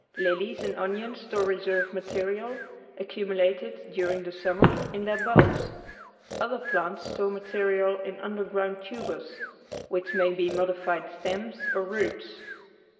Lilies and onions store reserve material, accumulated during the summer, in their bulbs. Other plants store material in underground tubers, which may be modified stems or roots.